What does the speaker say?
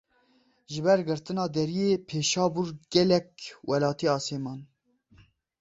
Ji ber girtina deriyê Pêşabûr gelek welatî asê man.